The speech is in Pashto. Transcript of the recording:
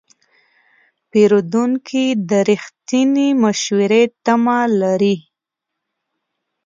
پیرودونکی د رښتینې مشورې تمه لري.